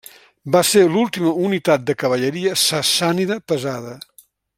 Va ser l'última unitat de cavalleria sassànida pesada.